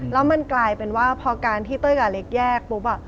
แล้วมันกลายเป็นว่าพอการที่เต้ยกับเล็กแยกปุ๊บ